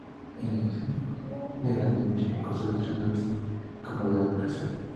La iglesia, de grandes dimensiones, consta de tres naves con bóveda de crucería.